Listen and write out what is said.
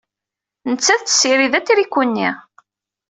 Nettat tessirid atriku-nni.